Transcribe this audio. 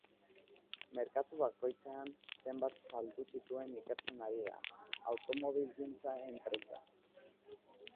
Merkatu bakoitzean zenbat saldu zituen ikertzen ari da automobilgintza enpresa.